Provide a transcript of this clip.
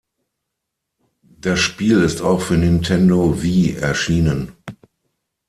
Das Spiel ist auch für Nintendo Wii erschienen.